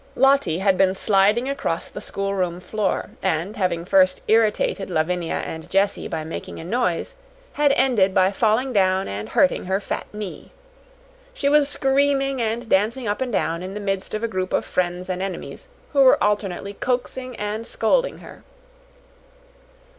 Lottie had been sliding across the schoolroom floor, and, having first irritated Lavinia and Jessie by making a noise, had ended by falling down and hurting her fat knee. She was screaming and dancing up and down in the midst of a group of friends and enemies, who were alternately coaxing and scolding her.